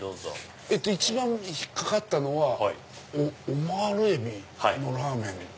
一番引っかかったのはオマール海老のラーメン。